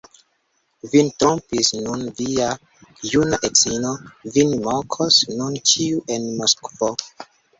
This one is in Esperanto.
Vin trompis nun via juna edzino, vin mokos nun ĉiu en Moskvo!